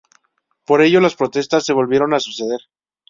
Por ello las protestas se volvieron a suceder.